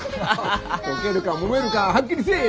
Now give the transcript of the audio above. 溶けるか漏れるかはっきりせい！